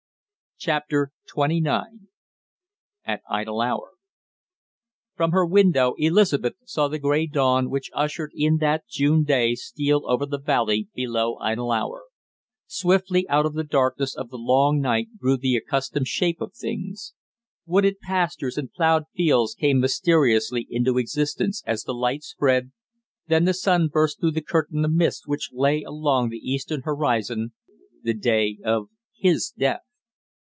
CHAPTER TWENTY NINE AT IDLE HOUR From her window Elizabeth saw the gray dawn which ushered in that June day steal over the valley below Idle Hour. Swiftly out of the darkness of the long night grew the accustomed shape of things. Wooded pastures and plowed fields came mysteriously into existence as the light spread, then the sun burst through the curtain of mist which lay along the eastern horizon, and it was day the day of his death.